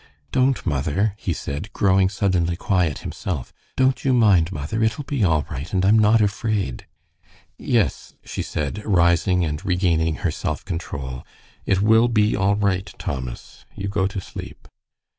"Don't, mother," he said, growing suddenly quiet himself. "Don't you mind, mother. It'll be all right, and I'm not afraid." "Yes," she said, rising and regaining her self control, "it will be all right, Thomas. You go to sleep."